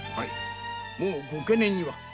もうご懸念には。